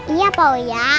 iya pu ya